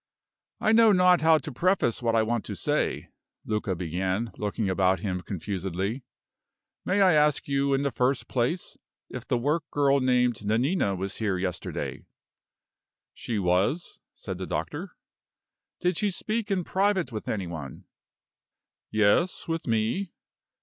"I know not how to preface what I want to say," Luca began, looking about him confusedly. "May I ask you, in the first place, if the work girl named Nanina was here yesterday?" "She was," said the doctor. "Did she speak in private with any one?" "Yes; with me."